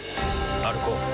歩こう。